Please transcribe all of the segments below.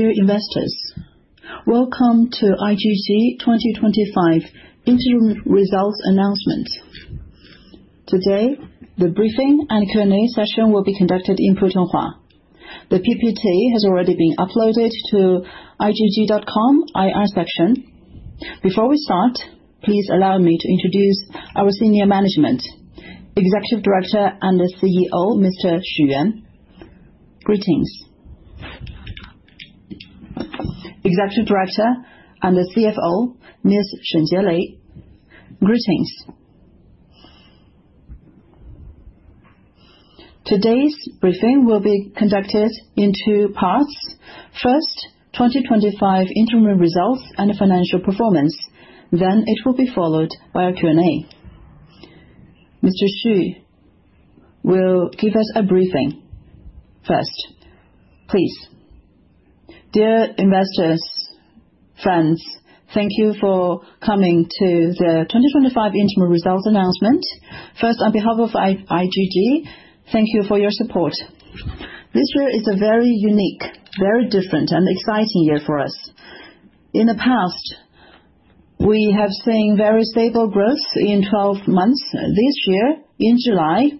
Dear investors, welcome to IGG 2025 interim results announcement. Today, the briefing and Q&A session will be conducted in Putonghua. The PPT has already been uploaded to igg.com IR section. Before we start, please allow me to introduce our senior management. Executive Director and the CEO, Mr. Xu Yan. Greetings. Executive Director and the CFO, Ms. Chen Jiale. Greetings. Today's briefing will be conducted in two parts. First, 2025 interim results and financial performance. It will be followed by a Q&A. Mr. Xu will give us a briefing first, please. Dear investors, friends, thank you for coming to the 2025 interim results announcement. First, on behalf of IGG, thank you for your support. This year is a very unique, very different, and exciting year for us. In the past, we have seen very stable growth in 12 months. This year, in July,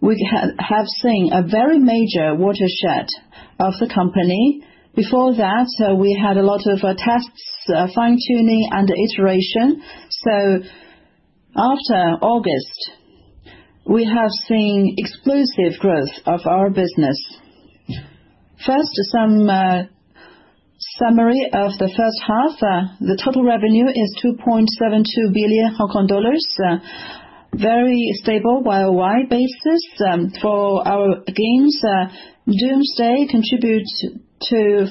we have seen a very major watershed of the company. Before that, we had a lot of tests, fine-tuning, and iteration. After August, we have seen explosive growth of our business. First, some summary of the first half. The total revenue is HKD 2.72 billion, very stable YOY basis. For our games, Doomsday contributes to 520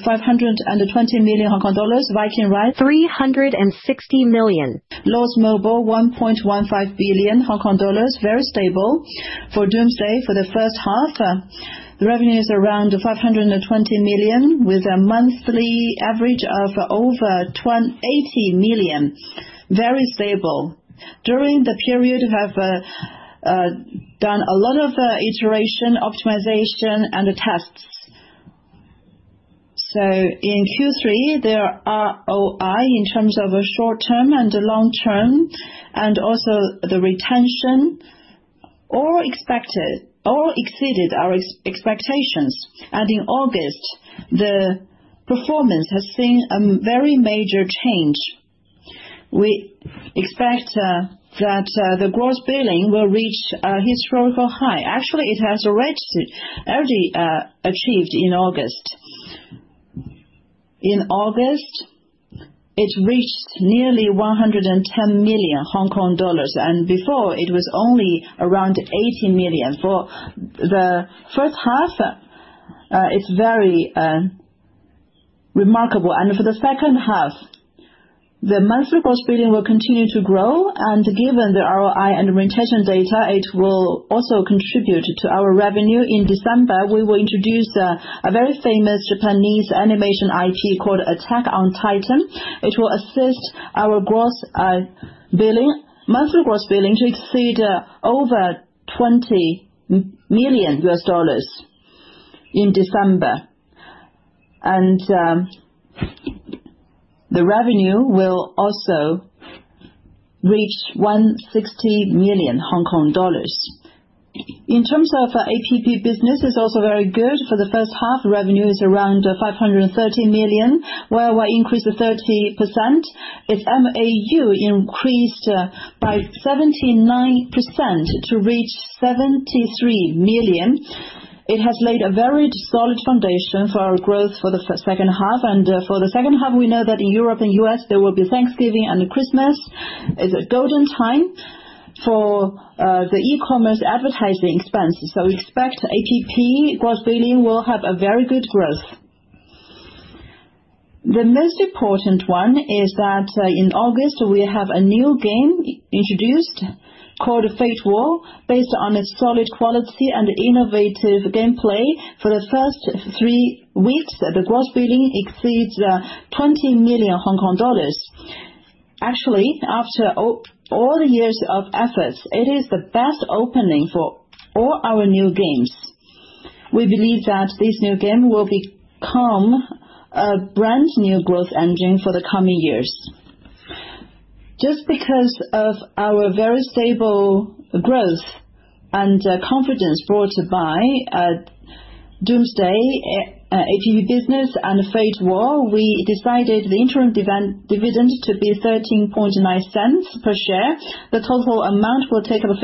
million Hong Kong dollars, Viking Rise 360 million, Lords Mobile 1.15 billion Hong Kong dollars, very stable. For Doomsday, for the first half, the revenue is around 520 million, with a monthly average of over 80 million, very stable. During the period, we have done a lot of iteration, optimization, and tests. In Q3, the ROI in terms of short-term and long-term, and also the retention, all exceeded our expectations. In August, the performance has seen a very major change. We expect that the gross billing will reach a historical high. Actually, it has already achieved in August. In August, it reached nearly 110 million Hong Kong dollars. Before, it was only around 80 million. For the first half, it's very remarkable. For the second half, the monthly gross billing will continue to grow. Given the ROI and retention data, it will also contribute to our revenue. In December, we will introduce a very famous Japanese animation IP called "Attack on Titan," which will assist our monthly gross billing to exceed over $20 million in December. The revenue will also reach 160 million Hong Kong dollars. In terms of our APP Business, it's also very good. For the first half, revenue is around 530 million, YOY increase of 30%. Its MAU increased by 79% to reach 73 million. It has laid a very solid foundation for our growth for the second half. For the second half, we know that in Europe and U.S., there will be Thanksgiving and Christmas, it's a golden time for the e-commerce advertising expense. We expect APP gross billing will have a very good growth. The most important one is that in August, we have a new game introduced called Fate War. Based on its solid quality and innovative gameplay, for the first 3 weeks, the gross billing exceeds 20 million Hong Kong dollars. Actually, after all the years of efforts, it is the best opening for all our new games. We believe that this new game will become a brand-new growth engine for the coming years. Because of our very stable growth and confidence brought by Doomsday, APP Business, and Fate War, we decided the interim dividend to be HKD 0.139 per share. The total amount will take up 50%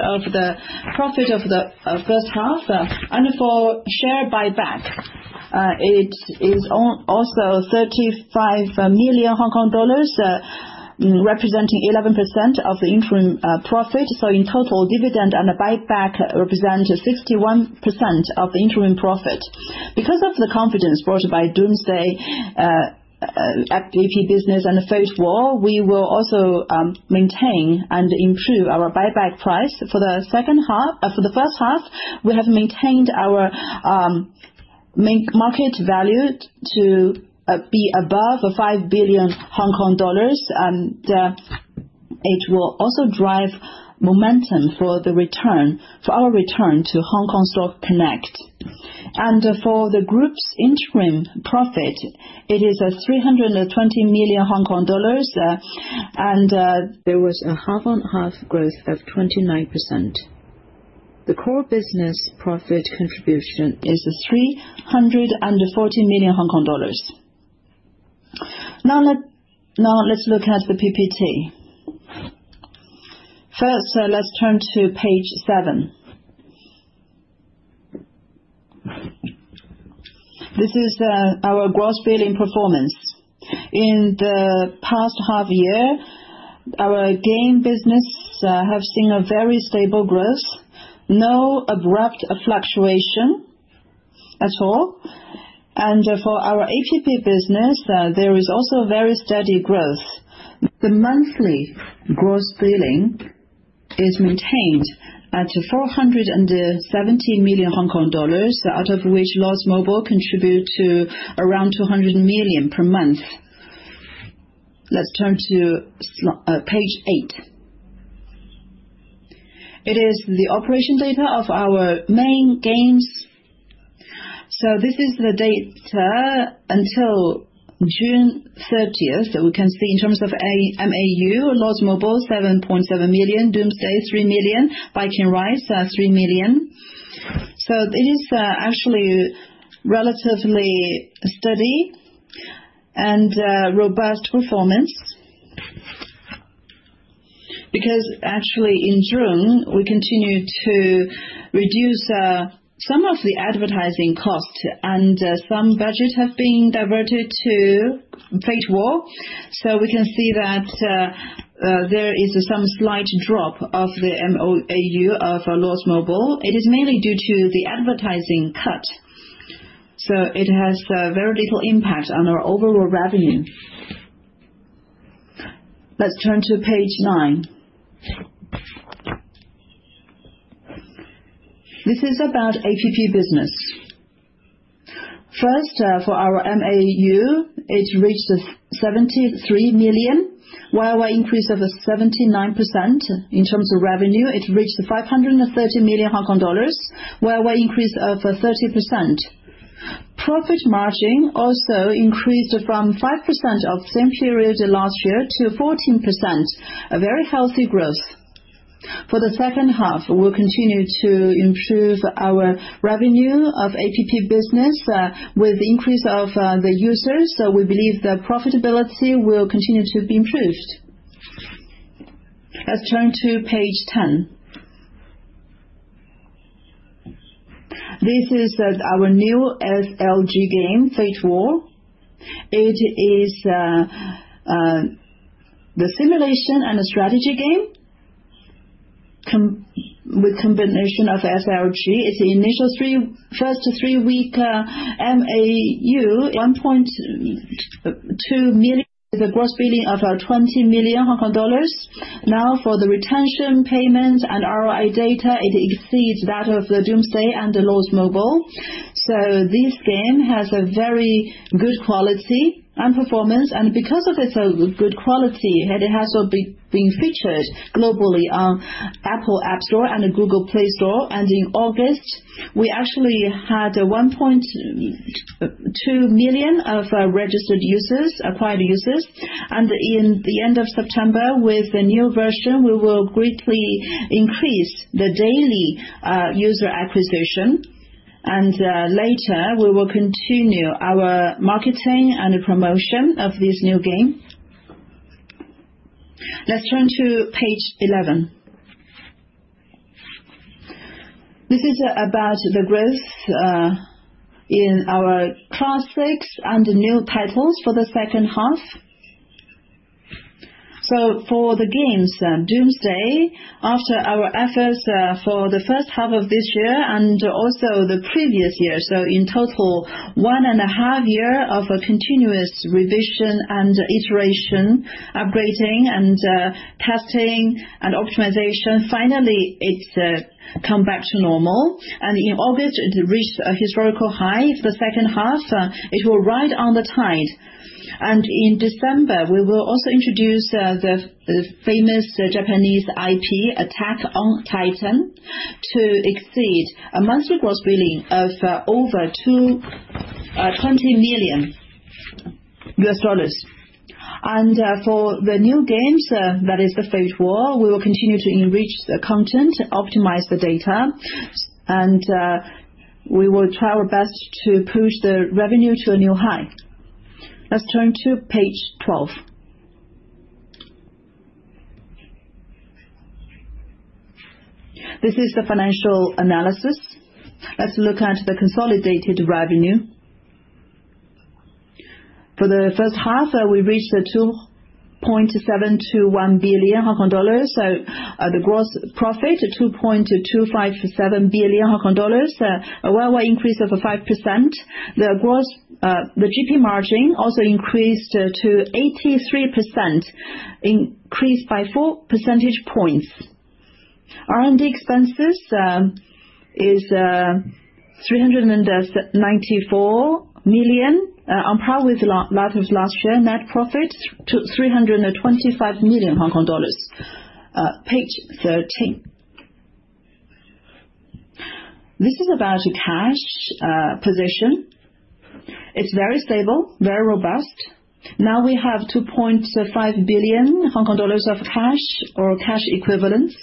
of the profit of the first half. For share buyback, it is also 35 million Hong Kong dollars, representing 11% of the interim profit. In total, dividend and the buyback represent 61% of the interim profit. Because of the confidence brought by Doomsday, APP Business, and Fate War, we will also maintain and improve our buyback price. For the first half, we have maintained our main market value to be above 5 billion Hong Kong dollars. It will also drive momentum for our return to Hong Kong Stock Connect. For the group's interim profit, it is at 320 million Hong Kong dollars. There was a half-on-half growth of 29%. The core business profit contribution is 340 million Hong Kong dollars. Now let's look at the PPT. First, let's turn to page seven. This is our gross billing performance. In the past half year, our game business have seen a very stable growth, no abrupt fluctuation at all. For our APP Business, there is also a very steady growth. The monthly gross billing is maintained at 417 million Hong Kong dollars, out of which, Lords Mobile contribute to around 200 million per month. Let's turn to page eight. It is the operation data of our main games. This is the data until June 30th. We can see in terms of MAU, Lords Mobile, 7.7 million, Doomsday, 3 million, Viking Rise, 3 million. It is actually relatively steady and robust performance. Actually, in June, we continued to reduce some of the advertising costs, and some budget have been diverted to Fate War, we can see that there is some slight drop of the MAU of Lords Mobile. It is mainly due to the advertising cut, it has very little impact on our overall revenue. Let's turn to page nine. This is about APP Business. First, for our MAU, it reached 73 million, YOY increase of 79%. In terms of revenue, it reached 530 million Hong Kong dollars, YOY increase of 30%. Profit margin also increased from 5% of same period last year to 14%, a very healthy growth. For the second half, we'll continue to improve our revenue of APP Business with the increase of the users. We believe the profitability will continue to be improved. Let's turn to page 10. This is our new SLG game, Fate War. It is the simulation and a strategy game with combination of SLG. Its initial first three week MAU, 1.2 million, with a gross billing of 20 million Hong Kong dollars. Now for the retention payments and ROI data, it exceeds that of the Doomsday and the Lords Mobile. This game has a very good quality and performance. Because of its good quality, it has also been featured globally on Apple App Store and the Google Play Store. In August, we actually had 1.2 million of registered users, acquired users. In the end of September, with the new version, we will greatly increase the daily user acquisition. Later, we will continue our marketing and promotion of this new game. Let's turn to page 11. This is about the growth in our classics and new titles for the second half. For the games, Doomsday, after our efforts for the first half of this year and also the previous year, in total one and a half years of continuous revision and iteration, upgrading and testing and optimization, finally, it's come back to normal. In August, it reached a historical high. The second half, it will ride on the tide. In December, we will also introduce the famous Japanese IP, Attack on Titan, to exceed a monthly gross billing of over $20 million. For the new games, that is the Fate War, we will continue to enrich the content, optimize the data, and we will try our best to push the revenue to a new high. Let's turn to page 12. This is the financial analysis. Let's look at the consolidated revenue. For the first half, we reached 2.721 billion Hong Kong dollars. The gross profit is 2.257 billion Hong Kong dollars, a YOY increase of 5%. The GP margin also increased to 83%, increased by 4 percentage points. R&D expenses is 394 million on par with that of last year net profit, to 325 million Hong Kong dollars. Page 13. This is about cash position. It's very stable, very robust. Now we have 2.5 billion Hong Kong dollars of cash or cash equivalents.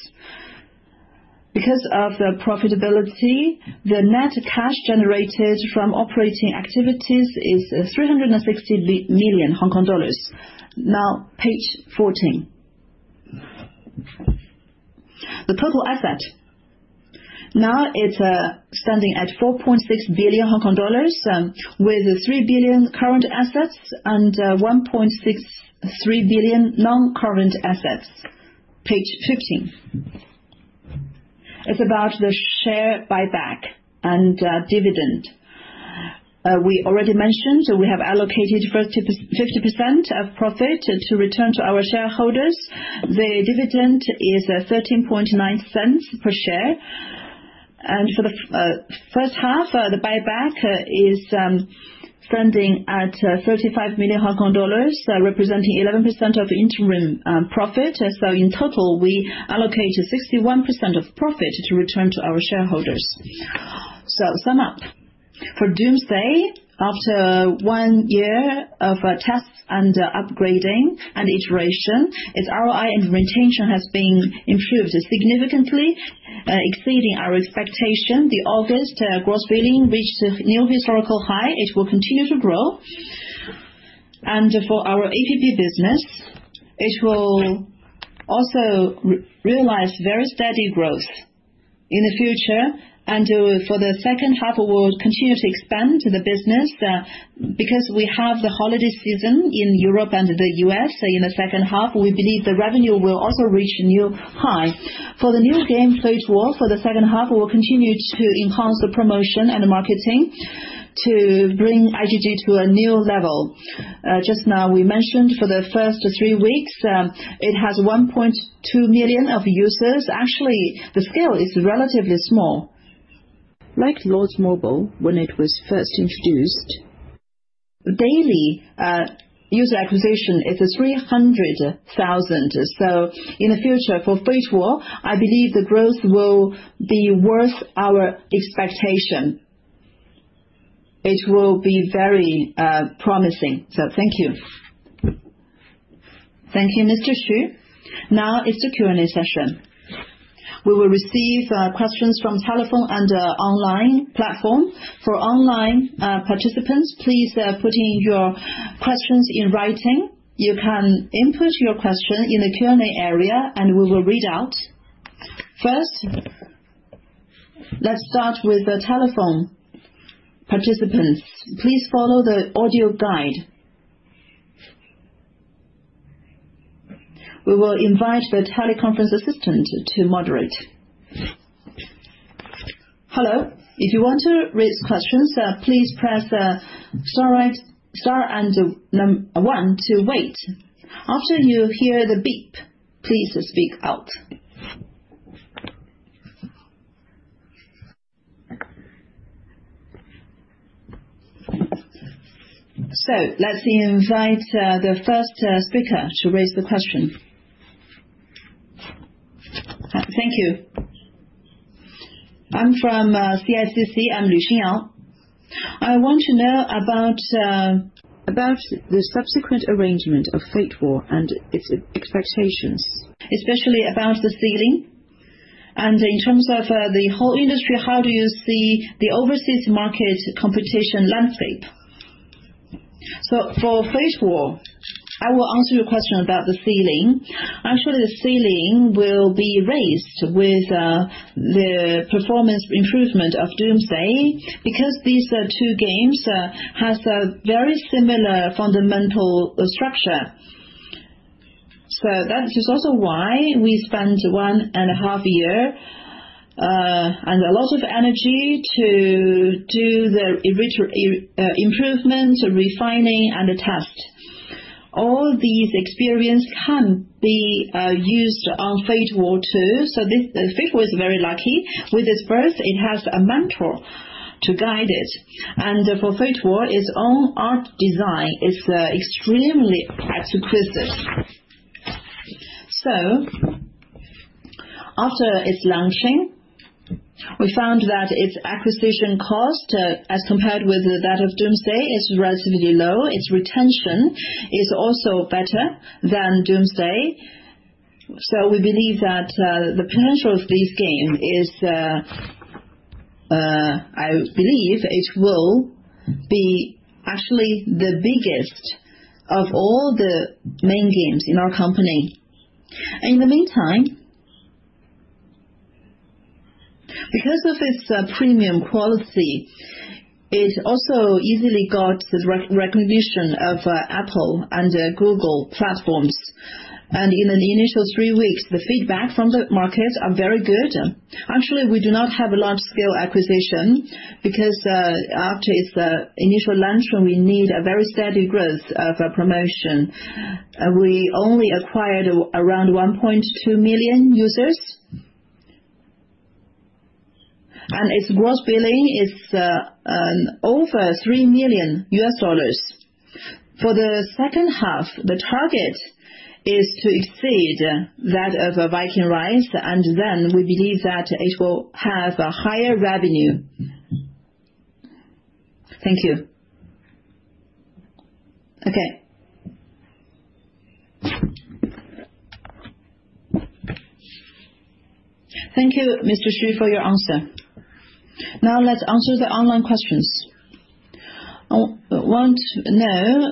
Because of the profitability, the net cash generated from operating activities is 360 million Hong Kong dollars. Now, page 14. The total asset. Now it's standing at 4.6 billion Hong Kong dollars with 3 billion current assets and 1.63 billion non-current assets. Page 15. It's about the share buyback and dividend. We already mentioned, we have allocated 50% of profit to return to our shareholders. The dividend is 0.139 per share. For the first half, the buyback is standing at 35 million Hong Kong dollars, representing 11% of the interim profit. In total, we allocated 61% of profit to return to our shareholders. Sum up. For Doomsday, after one year of tests and upgrading and iteration, its ROI and retention has been improved significantly, exceeding our expectation. The August gross billing reached a new historical high. It will continue to grow. For our APP Business, it will also realize very steady growth in the future. For the second half, we will continue to expand the business, because we have the holiday season in Europe and the U.S. in the second half, we believe the revenue will also reach new highs. For the new game, Fate War, for the second half, we will continue to enhance the promotion and the marketing to bring IGG to a new level. Just now, we mentioned for the first three weeks, it has 1.2 million users. Actually, the scale is relatively small. Like Lords Mobile when it was first introduced, daily user acquisition is 300,000. In the future, for Fate War, I believe the growth will be worth our expectation. It will be very promising. Thank you. Thank you, Mr. Xu. Now is the Q&A session. We will receive questions from telephone and online platform. For online participants, please put in your questions in writing. You can input your question in the Q&A area, and we will read out. First, let's start with the telephone participants. Please follow the audio guide. We will invite the teleconference assistant to moderate. Hello. If you want to raise questions, please press star and one to wait. After you hear the beep, please speak out. Let me invite the first speaker to raise the question. Thank you. I'm from CICC, I'm Lu Xiang. I want to know about the subsequent arrangement of Fate War and its expectations, especially about the ceiling. In terms of the whole industry, how do you see the overseas market competition landscape? For Fate War, I will answer your question about the ceiling. Actually, the ceiling will be raised with the performance improvement of Doomsday: Last Survivors, because these two games have a very similar fundamental structure. That is also why we spent one and a half year, and a lot of energy to do the improvements, refining, and the test. All these experience can be used on Fate War too. Fate War is very lucky. With its birth, it has a mentor to guide it. For Fate War, its own art design is extremely exquisite. After its launching, we found that its acquisition cost, as compared with that of Doomsday: Last Survivors, is relatively low. Its retention is also better than Doomsday: Last Survivors. We believe that the potential of this game is I believe it will be actually the biggest of all the main games in our company. In the meantime, because of its premium quality, it also easily got the recognition of Apple and Google platforms. In the initial three weeks, the feedback from the market are very good. Actually, we do not have a large-scale acquisition because after its initial launch, when we need a very steady growth of promotion, we only acquired around 1.2 million users. Its gross billing is over $3 million. For the second half, the target is to exceed that of a Viking Rise, we believe that it will have a higher revenue. Thank you. Okay. Thank you, Mr. Xu, for your answer. Now let's answer the online questions. Want to know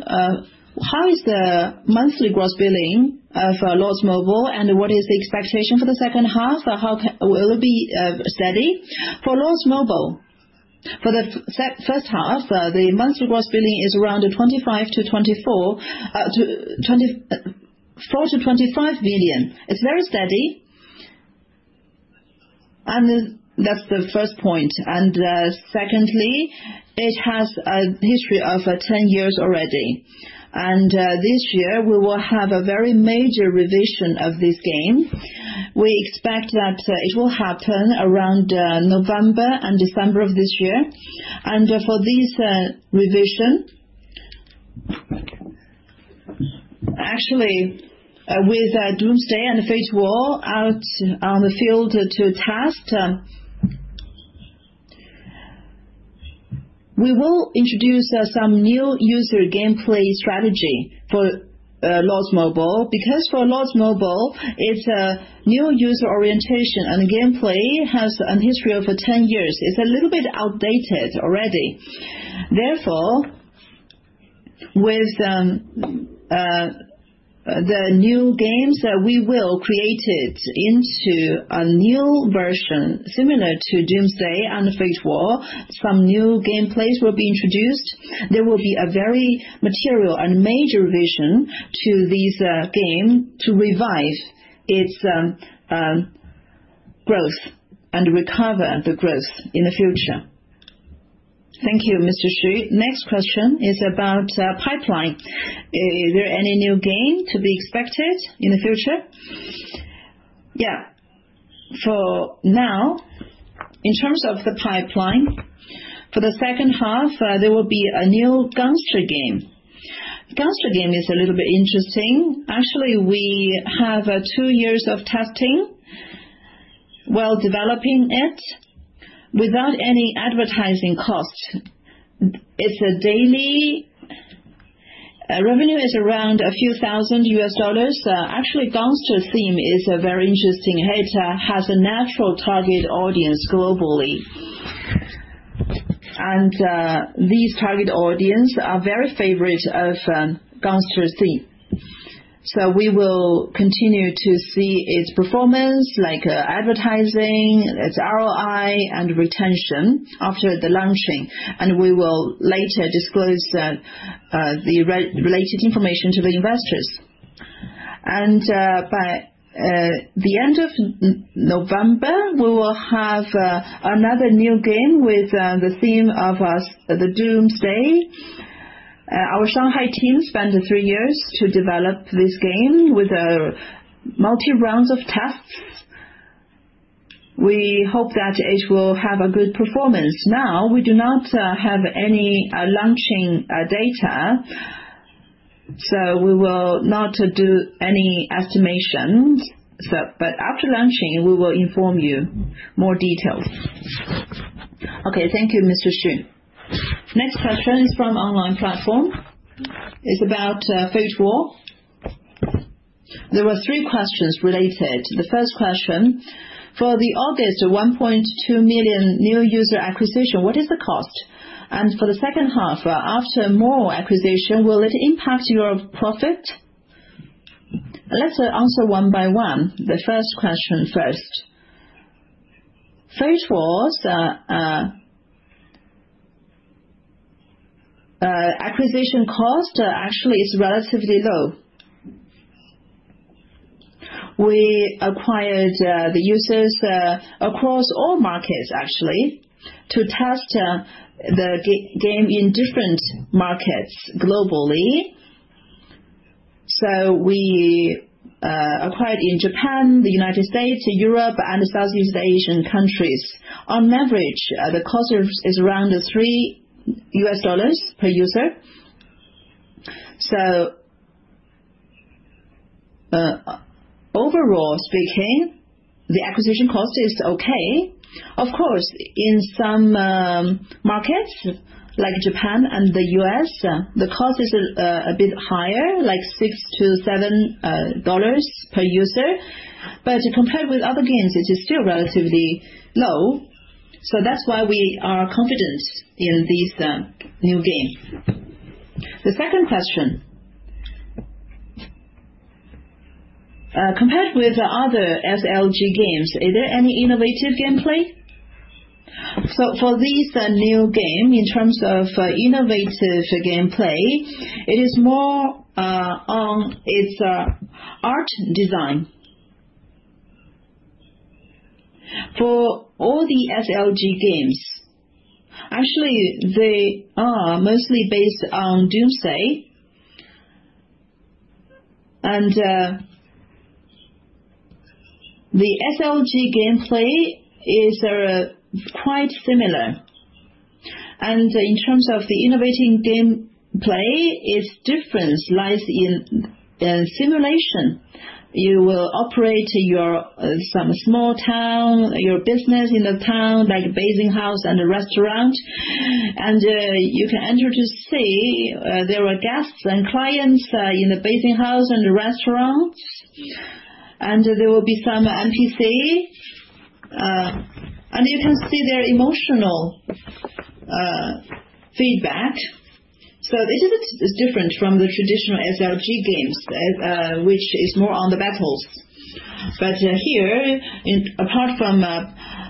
how is the monthly gross billing for Lords Mobile, what is the expectation for the second half, or will it be steady? For Lords Mobile, for the first half, the monthly gross billing is around $24 million to $25 million. It's very steady. That's the first point. Secondly, it has a history of 10 years already. This year we will have a very major revision of this game. We expect that it will happen around November and December of this year. For this revision, actually, with Doomsday: Last Survivors and Fate War out on the field to test, we will introduce some new user gameplay strategy for Lords Mobile, because for Lords Mobile, it's a new user orientation, the gameplay has a history of 10 years. It's a little bit outdated already. Therefore, with the new games, we will create it into a new version similar to Doomsday: Last Survivors and Fate War. Some new gameplays will be introduced. There will be a very material and major revision to this game to revive its growth and recover the growth in the future. Thank you, Mr. Xu. Next question is about pipeline. Is there any new game to be expected in the future? Yeah. For now, in terms of the pipeline, for the second half, there will be a new gangster game. The gangster game is a little bit interesting. We have 2 years of testing while developing it without any advertising cost. Its daily revenue is around a few thousand US dollars. Gangster theme is a very interesting hit, has a natural target audience globally. These target audience are very favorite of gangster theme. We will continue to see its performance, like advertising, its ROI, and retention after the launching. We will later disclose the related information to the investors. By the end of November, we will have another new game with the theme of Doomsday. Our Shanghai team spent 3 years to develop this game with multi rounds of tests. We hope that it will have a good performance. We do not have any launching data. We will not do any estimations, after launching, we will inform you more details. Okay. Thank you, Mr. Xu. Next question is from online platform. It is about Fate War. There were 3 questions related. The first question: for the August 1.2 million new user acquisition, what is the cost? For the second half, after more acquisition, will it impact your profit? Let us answer one by one. The first question first. Fate War's acquisition cost is relatively low. We acquired the users across all markets, to test the game in different markets globally. We acquired in Japan, the U.S., Europe, and Southeast Asian countries. On average, the cost is around $3 per user. Overall speaking, the acquisition cost is okay. Of course, in some markets, like Japan and the U.S., the cost is a bit higher, like $6-$7 per user. To compare with other games, it is still relatively low. That is why we are confident in this new game. The second question. Compared with other SLG games, is there any innovative gameplay? For this new game, in terms of innovative gameplay, it is more on its art design. For all the SLG games, they are mostly based on Doomsday. The SLG gameplay is quite similar. In terms of the innovating gameplay, its difference lies in the simulation. You will operate some small town, your business in the town, like bathing house and a restaurant. You can enter to see there are guests and clients in the bathing house and the restaurant. There will be some NPC. You can see their emotional feedback. This is different from the traditional SLG games, which is more on the battles. Here, apart from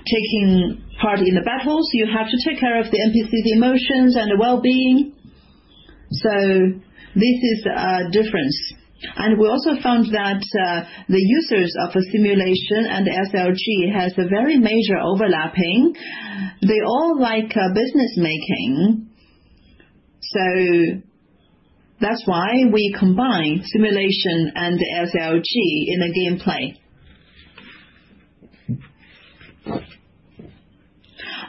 taking part in the battles, you have to take care of the NPC, the emotions, and the wellbeing. This is a difference. We also found that the users of a simulation and SLG has a very major overlapping. They all like business making. That is why we combine simulation and SLG in the gameplay.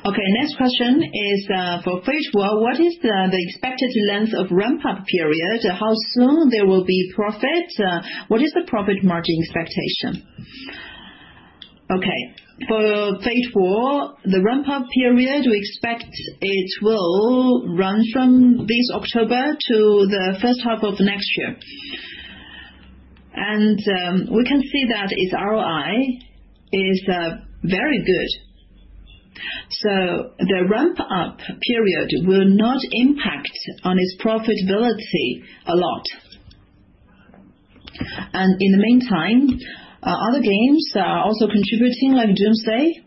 Okay, next question is for Fate War. What is the expected length of ramp-up period? How soon there will be profit? What is the profit margin expectation? Okay. For Fate War, the ramp-up period, we expect it will run from this October to the first half of next year. We can see that its ROI is very good. The ramp-up period will not impact on its profitability a lot. In the meantime, other games are also contributing, like Doomsday.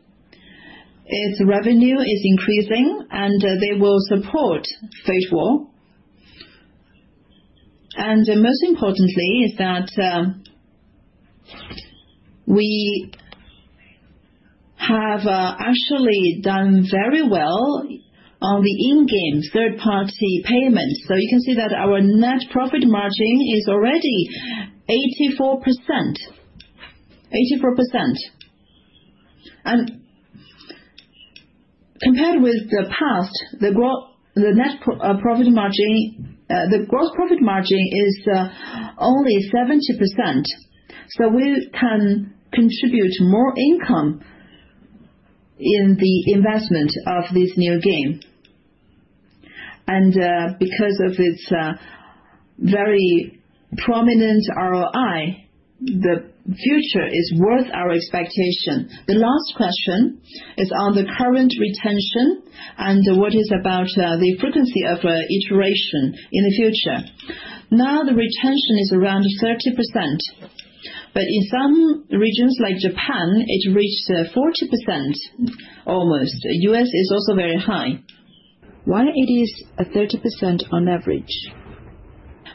Its revenue is increasing. They will support Fate War. Most importantly is that we have done very well on the in-game third-party payments. You can see that our net profit margin is already 84%. Compared with the past, the gross profit margin is only 70%, we can contribute more income in the investment of this new game. Because of its very prominent ROI, the future is worth our expectation. The last question is on the current retention and what is about the frequency of iteration in the future. The retention is around 30%, but in some regions like Japan, it reached 40% almost. U.S. is also very high. Why it is 30% on average?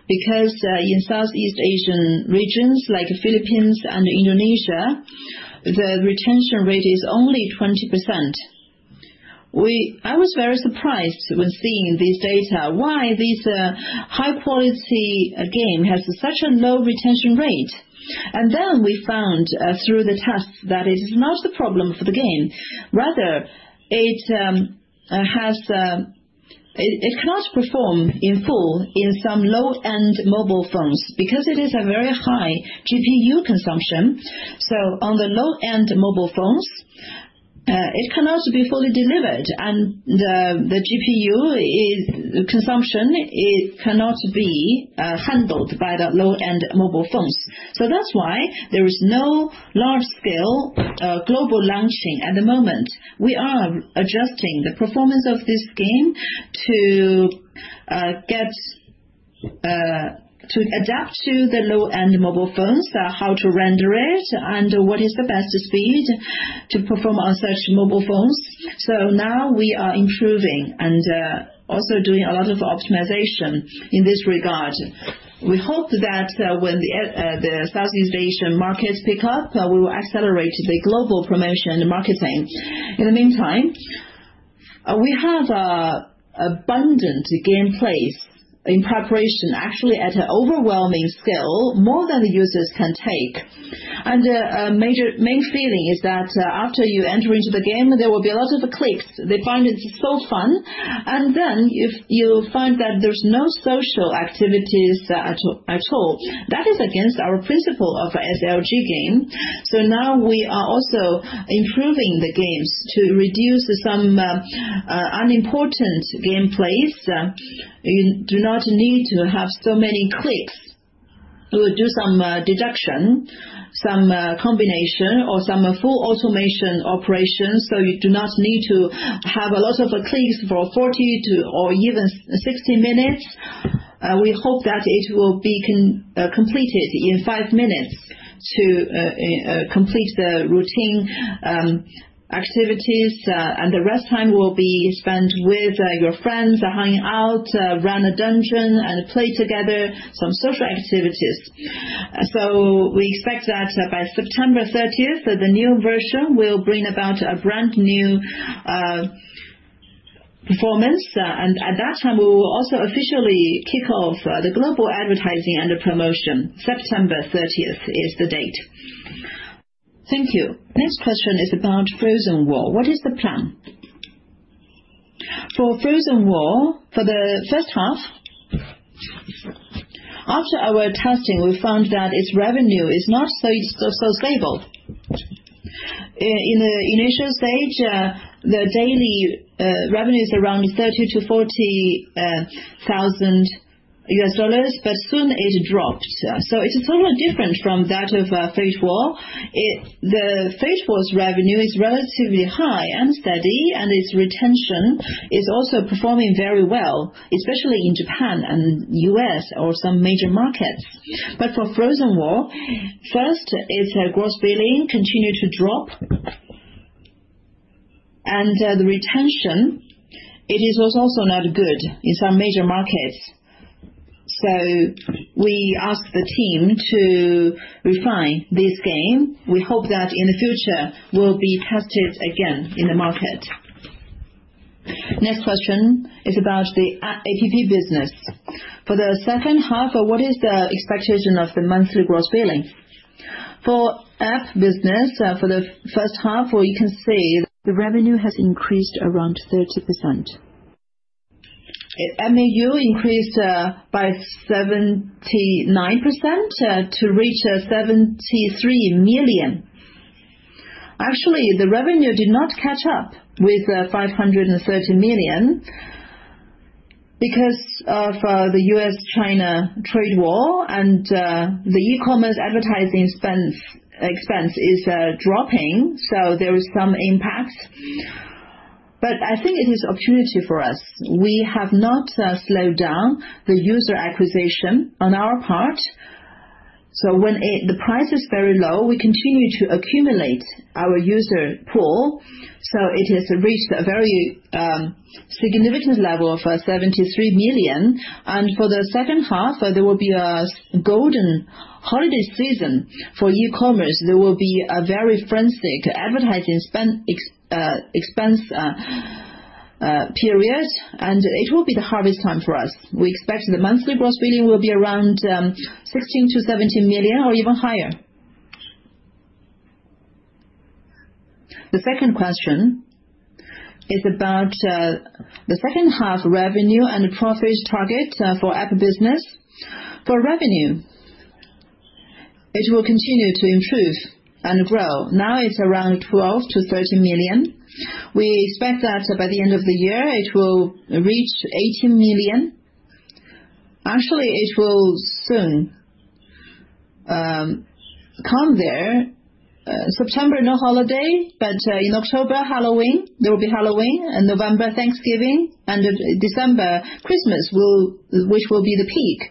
In Southeast Asian regions like Philippines and Indonesia, the retention rate is only 20%. I was very surprised when seeing this data, why this high-quality game has such a low retention rate. We found through the tests that it's not the problem for the game. Rather, it cannot perform in full in some low-end mobile phones because it is a very high GPU consumption. On the low-end mobile phones, it cannot be fully delivered, and the GPU consumption cannot be handled by the low-end mobile phones. That's why there is no large-scale global launching at the moment. We are adjusting the performance of this game to adapt to the low-end mobile phones, how to render it, and what is the best speed to perform on such mobile phones. We are improving and also doing a lot of optimization in this regard. We hope that when the Southeast Asian markets pick up, we will accelerate the global promotion and marketing. In the meantime, we have abundant gameplays in preparation, actually at an overwhelming scale, more than the users can take. A main feeling is that after you enter into the game, there will be a lot of clicks. They find it so fun. You find that there's no social activities at all. That is against our principle of SLG game. We are also improving the games to reduce some unimportant gameplays. You do not need to have so many clicks. We'll do some deduction, some combination, or some full automation operations, you do not need to have a lot of clicks for 40-60 minutes. We hope that it will be completed in five minutes to complete the routine activities, and the rest time will be spent with your friends, hanging out, run a dungeon, and play together some social activities. We expect that by September 30th, the new version will bring about a brand new Performance. At that time, we will also officially kick off the global advertising and the promotion. September 30th is the date. Thank you. Next question is about "Frozen War." What is the plan? For "Frozen War," for the first half, after our testing, we found that its revenue is not so stable. In the initial stage, the daily revenue is around $30 thousand-$40 thousand, but soon it dropped. It's somewhat different from that of "Fate War." The "Fate War's" revenue is relatively high and steady, and its retention is also performing very well, especially in Japan and U.S. or some major markets. For "Frozen War," first, its gross billing continued to drop. The retention, it is also not good in some major markets. We asked the team to refine this game. We hope that in the future, we'll be tested again in the market. Next question is about the APP Business. For the second half, what is the expectation of the monthly gross billing? For APP Business, for the first half, you can see the revenue has increased around 30%. MAU increased by 79% to reach 73 million. Actually, the revenue did not catch up with 530 million because of the U.S.-China trade war and the e-commerce advertising expense is dropping, so there is some impact. I think it is opportunity for us. We have not slowed down the user acquisition on our part. When the price is very low, we continue to accumulate our user pool, so it has reached a very significant level of 73 million. For the second half, there will be a golden holiday season for e-commerce. There will be a very frantic advertising expense period, and it will be the harvest time for us. We expect the monthly gross billing will be around 16 million-17 million or even higher. The second question is about the second half revenue and profit target for APP Business. Revenue, it will continue to improve and grow. Now it's around 12 million-13 million. We expect that by the end of the year, it will reach 18 million. Actually, it will soon come there. September, no holiday, October, Halloween, there will be Halloween. November, Thanksgiving. December, Christmas, which will be the peak.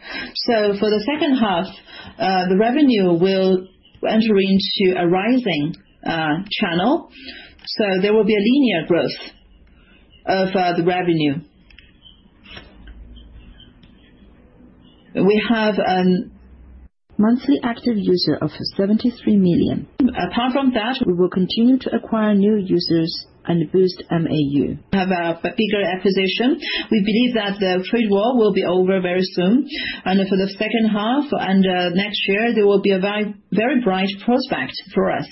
For the second half, the revenue will enter into a rising channel. There will be a linear growth of the revenue. We have a monthly active user of 73 million. Apart from that, we will continue to acquire new users and boost MAU. We have a bigger acquisition. We believe that the trade war will be over very soon. For the second half and next year, there will be a very bright prospect for us.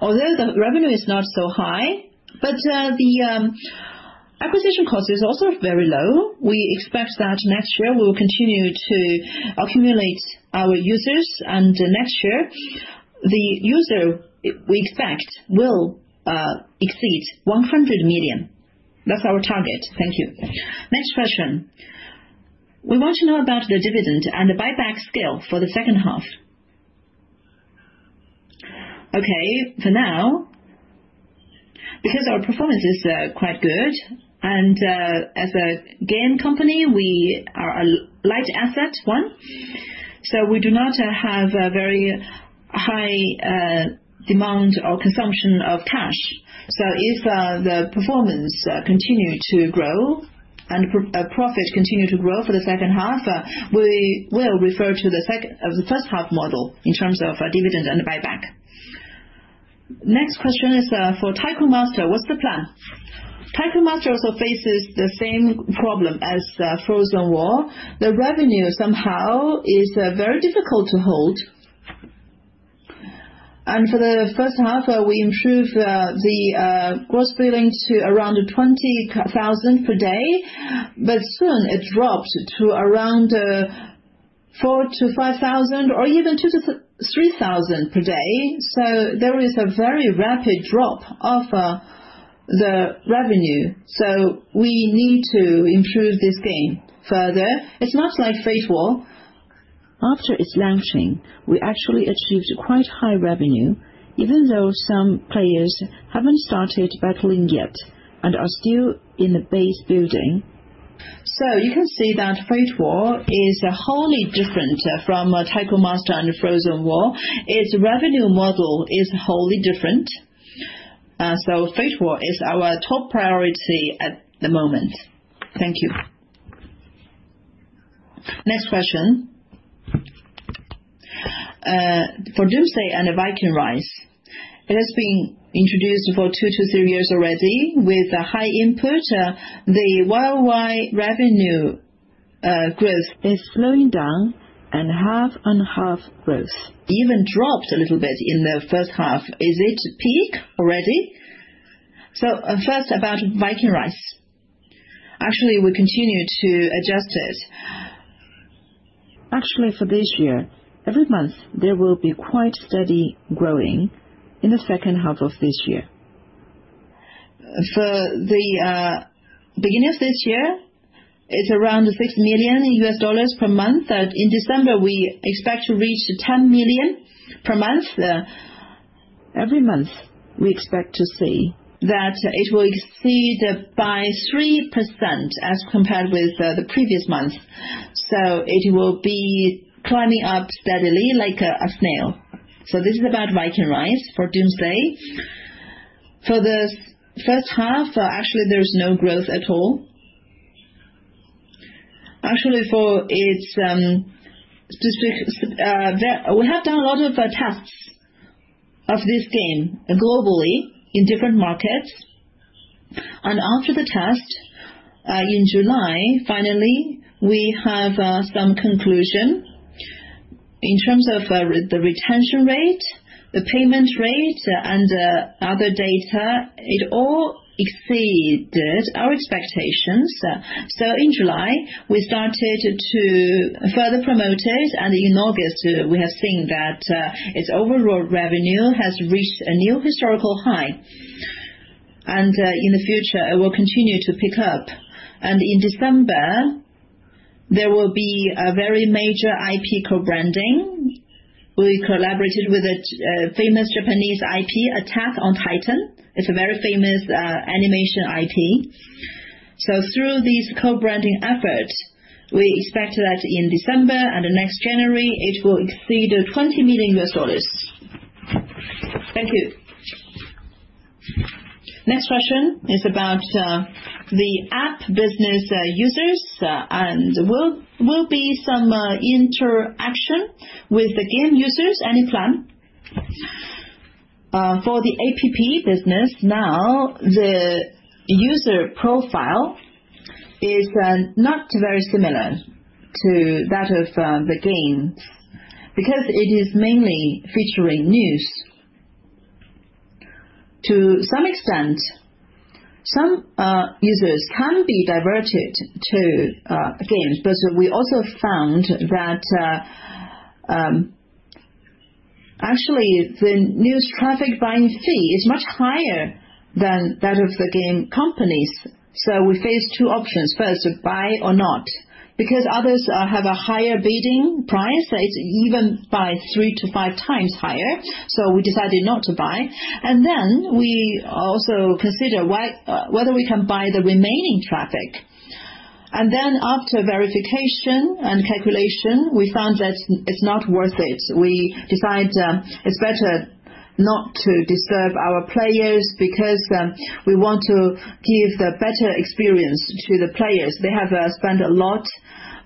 Although the revenue is not so high, the acquisition cost is also very low. We expect that next year we will continue to accumulate our users, and next year, the user, we expect, will exceed 100 million. That's our target. Thank you. Next question. We want to know about the dividend and the buyback scale for the second half. Okay. Now, because our performance is quite good, and as a game company, we are a light asset one, we do not have a very high demand or consumption of cash. If the performance continue to grow and profit continue to grow for the second half, we will refer to the first half model in terms of dividend and buyback. Next question is for "Tycoon Master." What's the plan? "Tycoon Master" also faces the same problem as "Frozen War." The revenue somehow is very difficult to hold. For the first half, we improve the gross billing to around 20,000 per day, but soon it dropped to around 4,000-5,000 or even 2,000-3,000 per day. There is a very rapid drop of the revenue. We need to improve this game further. It's not like "Fate War." After its launching, we actually achieved quite high revenue, even though some players haven't started battling yet and are still in the base building. You can see that Fate War is wholly different from Tycoon Master and Frozen War. Its revenue model is wholly different. Fate War is our top priority at the moment. Thank you. Next question For Doomsday and Viking Rise, it has been introduced for 2 to 3 years already with a high input. The worldwide revenue growth is slowing down and half-on-half growth. Even dropped a little bit in the first half. Is it peak already? First, about Viking Rise. We continue to adjust it. For this year, every month there will be quite steady growing in the second half of this year. For the beginning of this year, it's around $6 million per month. In December, we expect to reach $10 million per month. Every month, we expect to see that it will exceed by 3% as compared with the previous month. It will be climbing up steadily like a snail. This is about Viking Rise. For Doomsday, for the first half, there is no growth at all. We have done a lot of tests of this game globally in different markets. After the test, in July, finally, we have some conclusion. In terms of the retention rate, the payment rate, and other data, it all exceeded our expectations. In July, we started to further promote it. In August, we have seen that its overall revenue has reached a new historical high. In the future, it will continue to pick up. In December, there will be a very major IP co-branding. We collaborated with a famous Japanese IP, Attack on Titan. It's a very famous animation IP. Through these co-branding efforts, we expect that in December and next January, it will exceed $20 million. Thank you. Next question is about the APP Business users, and will be some interaction with the game users. Any plan? For the APP Business, now, the user profile is not very similar to that of the games, because it is mainly featuring news. To some extent, some users can be diverted to games, but we also found that the news traffic buying fee is much higher than that of the game companies. We face two options: first, to buy or not, because others have a higher bidding price, it's even by 3 to 5 times higher, we decided not to buy. We also consider whether we can buy the remaining traffic. After verification and calculation, we found that it's not worth it. We decide it's better not to disturb our players, because we want to give the better experience to the players. They have spent a lot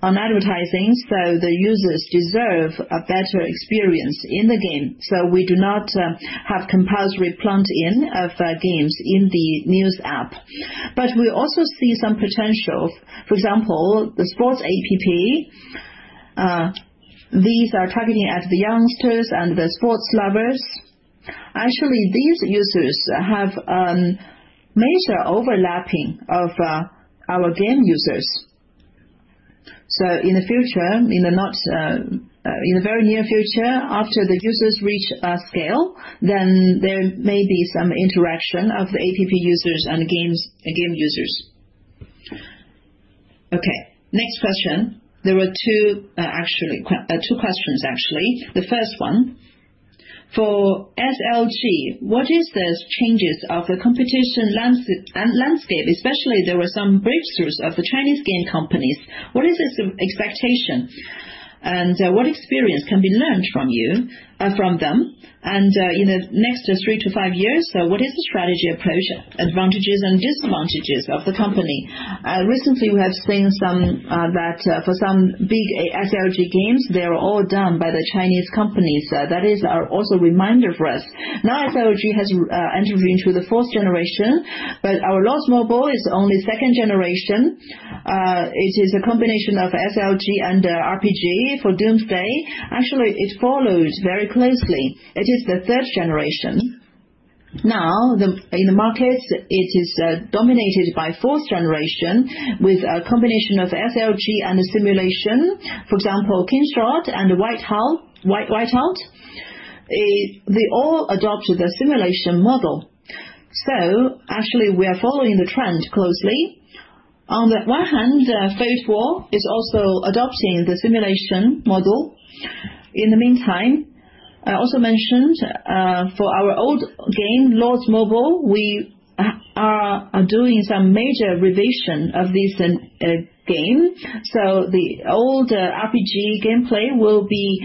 on advertising, so the users deserve a better experience in the game. We do not have compulsory plant-in of games in the news app. We also see some potential. For example, the sports app, these are targeting at the youngsters and the sports lovers. These users have major overlapping of our game users. In the very near future, after the users reach scale, there may be some interaction of the APP users and game users. Okay, next question. There were two questions actually. The first one, for SLG, what are these changes of the competition landscape? Especially, there were some breakthroughs of the Chinese game companies. What is the expectation? What experience can be learned from them? In the next 3 to 5 years, what is the strategy approach, advantages and disadvantages of the company? Recently, we have seen that for some big SLG games, they are all done by the Chinese companies. That is also a reminder for us. Now SLG has entered into the 4th generation, but our Lords Mobile is only 2nd generation. It is a combination of SLG and RPG for Doomsday. Actually, it followed very closely. It is the 3rd generation. Now, in the market, it is dominated by 4th generation with a combination of SLG and simulation. For example, King's Road and Whiteout Survival, they all adopted the simulation model. Actually, we are following the trend closely. On the one hand, Fate War is also adopting the simulation model. In the meantime, I also mentioned, for our old game, Lords Mobile, we are doing some major revision of this game. The old RPG gameplay will be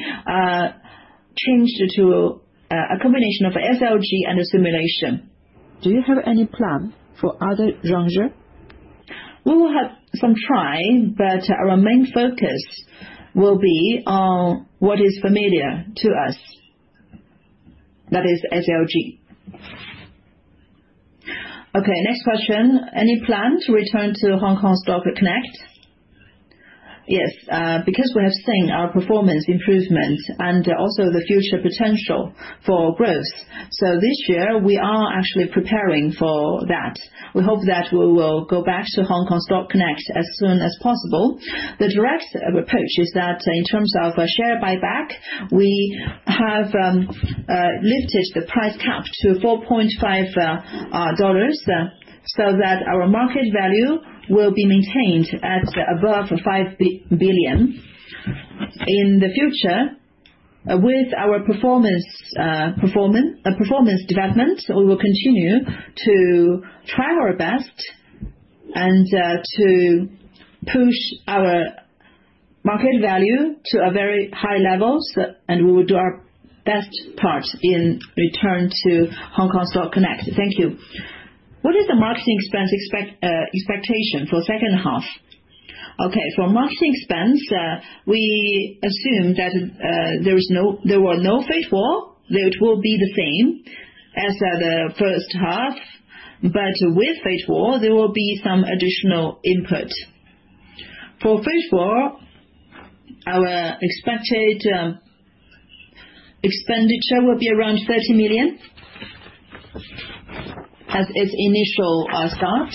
changed to a combination of SLG and simulation. Do you have any plan for other genre? We will have some try, but our main focus will be on what is familiar to us. That is SLG. Okay, next question. Any plan to return to Hong Kong Stock Connect? Yes, because we have seen our performance improvement and also the future potential for growth. This year, we are actually preparing for that. We hope that we will go back to Hong Kong Stock Connect as soon as possible. The direct approach is that in terms of share buyback, we have lifted the price cap to 4.5 dollars so that our market value will be maintained at above 5 billion. In the future, with our performance development, we will continue to try our best and to push our market value to very high levels, and we will do our best part in return to Hong Kong Stock Connect. Thank you. What is the marketing expense expectation for the second half? Okay, for marketing expense, we assume that there were no Fate War, that it will be the same as the first half, but with Fate War, there will be some additional input. For Fate War, our expected expenditure will be around 30 million as its initial start.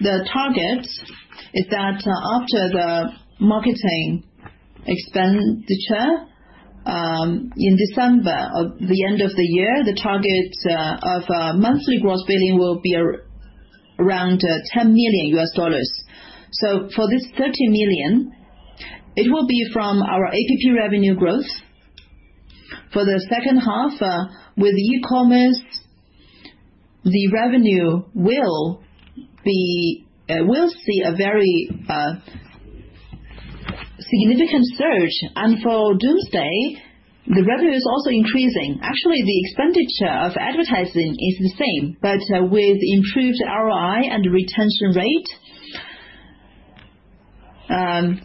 The target is that after the marketing expenditure in December, the end of the year, the target of monthly gross billing will be around $10 million. For this 30 million, it will be from our APP revenue growth. For the second half, with e-commerce, the revenue will see a very significant surge. For Doomsday, the revenue is also increasing. Actually, the expenditure of advertising is the same, but with improved ROI and retention rate,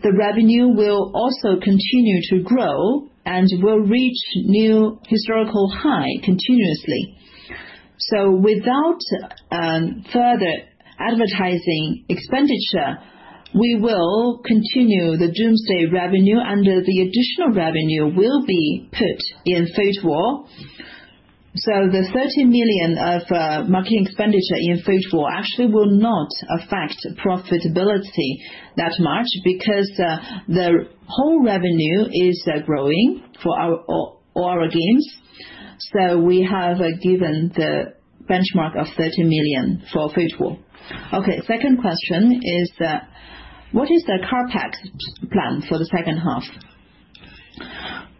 the revenue will also continue to grow and will reach new historical high continuously. Without further advertising expenditure, we will continue the Doomsday revenue, and the additional revenue will be put in Fate War. The 30 million of marketing expenditure in Fate War actually will not affect profitability that much because the whole revenue is growing for our games. We have given the benchmark of 30 million for Fate War. Okay. Second question is: what is the CapEx plan for the second half?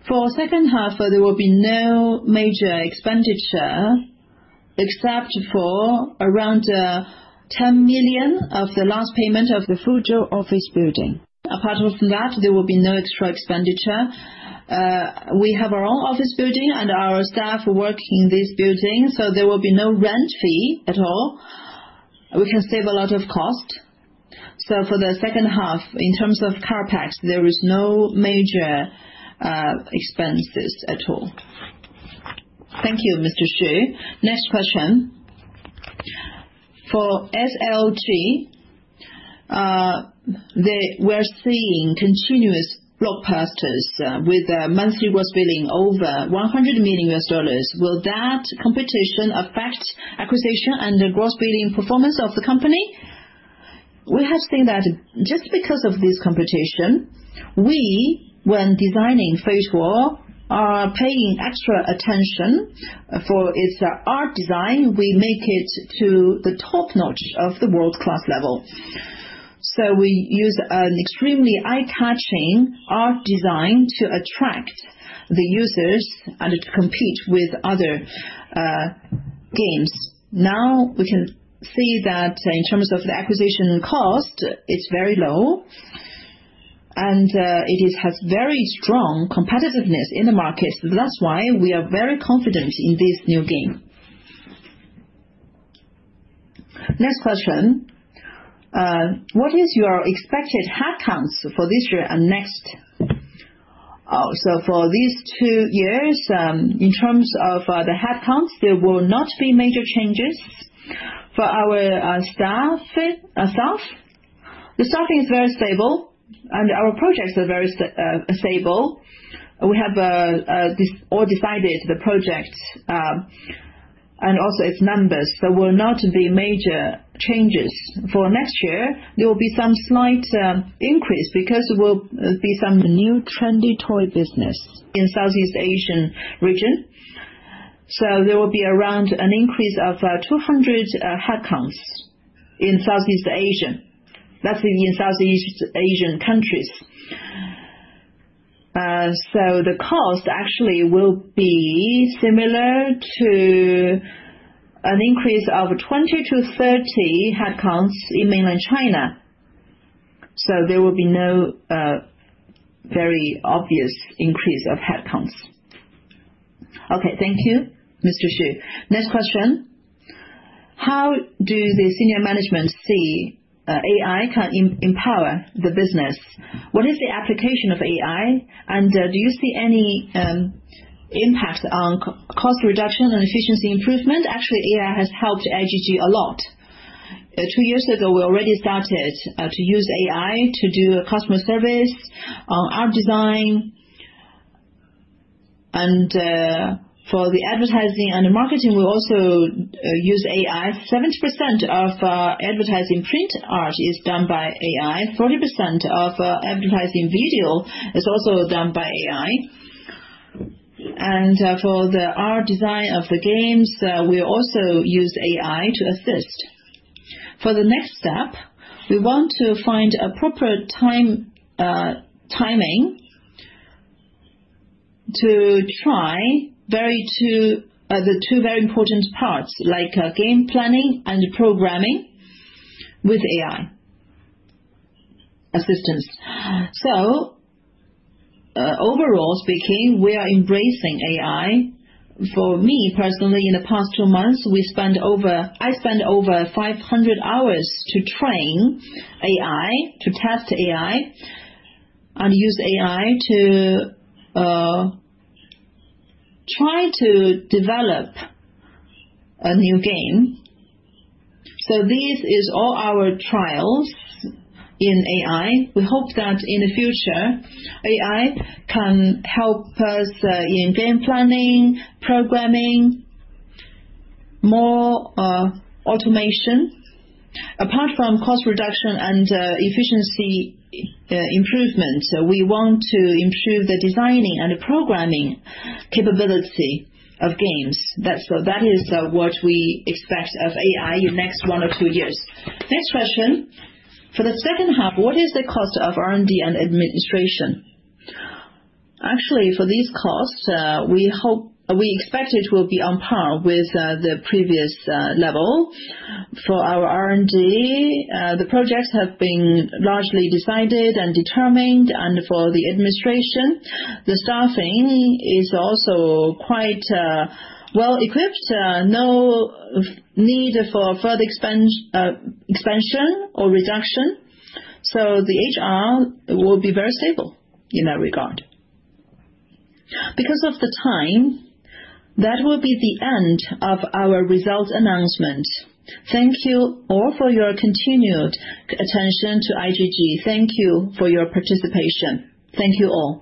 For the second half, there will be no major expenditure except for around $10 million of the last payment of the Fuzhou office building. Apart from that, there will be no extra expenditure. We have our own office building and our staff work in this building, so there will be no rent fee at all. We can save a lot of cost. For the second half, in terms of CapEx, there is no major expenses at all. Thank you, Mr. Xu. Next question. For SLG, we are seeing continuous blockbusters with monthly gross billing over $100 million. Will that competition affect acquisition and the gross billing performance of the company? We have seen that just because of this competition, we, when designing Fate War, are paying extra attention for its art design. We make it to the top notch of the world-class level. We use an extremely eye-catching art design to attract the users and to compete with other games. Now we can see that in terms of the acquisition cost, it is very low, and it has very strong competitiveness in the market. That is why we are very confident in this new game. Next question. What is your expected headcounts for this year and next? For these two years, in terms of the headcounts, there will not be major changes for our staff. The staffing is very stable, and our projects are very stable. We have all decided the projects, and also its numbers. There will not be major changes. For next year, there will be some slight increase because there will be some new trendy toy business in the Southeast Asian region. There will be around an increase of 200 headcounts in Southeast Asia. That is in Southeast Asian countries. The cost actually will be similar to an increase of 20-30 headcounts in mainland China. There will be no very obvious increase of headcounts. Okay. Thank you, Mr. Xu. Next question: how do the senior management see AI can empower the business? What is the application of AI, and do you see any impact on cost reduction and efficiency improvement? Actually, AI has helped IGG a lot. Two years ago, we already started to use AI to do customer service, on art design, and for the advertising and the marketing, we also use AI. 70% of our advertising print art is done by AI, 40% of advertising video is also done by AI. For the art design of the games, we also use AI to assist. For the next step, we want to find a proper timing to try the two very important parts, like game planning and programming with AI assistance. Overall speaking, we are embracing AI. For me, personally, in the past two months, I spent over 500 hours to train AI, to test AI, and use AI to try to develop a new game. This is all our trials in AI. We hope that in the future, AI can help us in game planning, programming, more automation. Apart from cost reduction and efficiency improvement, we want to improve the designing and the programming capability of games. That is what we expect of AI in next one or two years. Next question. For the second half, what is the cost of R&D and administration? Actually, for these costs, we expect it will be on par with the previous level. For our R&D, the projects have been largely decided and determined, and for the administration, the staffing is also quite well-equipped. No need for further expansion or reduction. The HR will be very stable in that regard. Because of the time, that will be the end of our results announcement. Thank you all for your continued attention to IGG. Thank you for your participation. Thank you all.